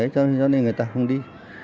cho nên người ta không đi